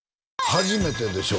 初めてでしょ？